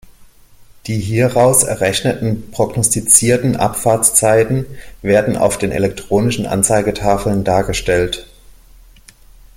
Die hieraus errechneten prognostizierten Abfahrtszeiten werden auf den elektronischen Anzeigetafeln dargestellt.